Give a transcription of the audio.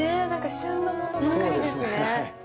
旬のものばかりですね。